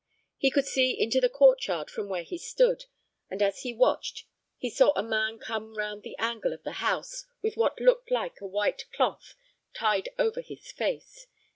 He could see into the court yard from where he stood, and as he watched he saw a man come round the angle of the house with what looked like a white cloth tied over his face.